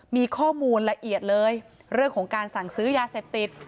มีข้อมูลละเอียดเลยเรื่องของการสั่งซื้อยาเสพติด